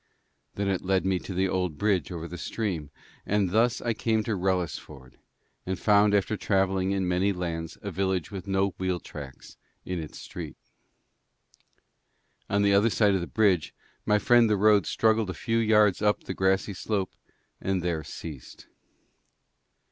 Then it led me to the old bridge over the stream, and thus I came to Wrellisford, and found after travelling in many lands a village with no wheel tracks in its street. On the other side of the bridge, my friend the road struggled a few yards up a grassy slope, and there ceased.